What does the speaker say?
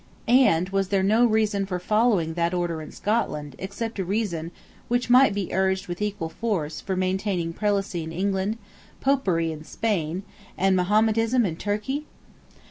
And was there no reason for following that order in Scotland except a reason which might be urged with equal force for maintaining Prelacy in England, Popery in Spain, and Mahometanism in Turkey?